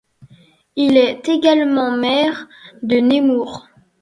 Il est également maire de Nemours.